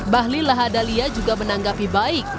bahlil hadalia juga menanggapi baik